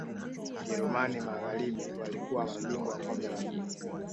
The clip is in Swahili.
ujerumani magharibi walikuwa mabingwa wa kombe la dunia